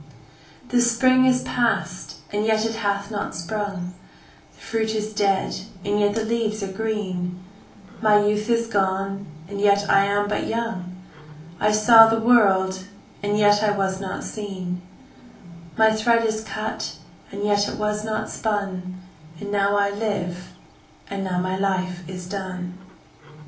7The spring is past, and yet it hath not sprung,8The fruit is dead, and yet the leaves are green,9My youth is gone, and yet I am but young,10I saw the world, and yet I was not seen,11My thread is cut, and yet it was not spun,12And now I live, and now my life is done.